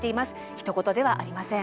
ひと事ではありません。